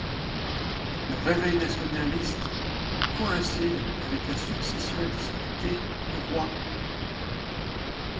Le réveil nationaliste coïncide avec la succession disputée du roi.